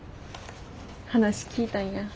話聞いたんや。